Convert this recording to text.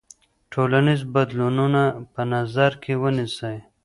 ټولنیز بدلونونه په نظر کې ونیسئ.